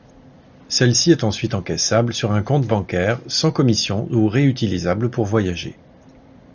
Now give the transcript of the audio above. Celle-ci est ensuite encaissable sur un compte bancaire sans commissions ou réutilisable pour voyager.